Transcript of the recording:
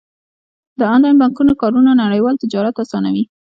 د انلاین بانکونو کارونه نړیوال تجارت اسانوي.